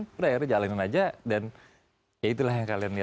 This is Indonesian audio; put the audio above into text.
udah akhirnya jalanin aja dan ya itulah yang kalian lihat